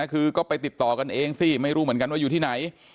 คือก็ไปติดต่อกันเองสิไม่รู้เหมือนกันว่าอยู่ที่ไหน